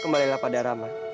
kembalilah pada rama